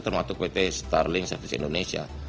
termasuk pt starlink services indonesia